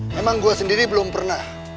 memang gue sendiri belum pernah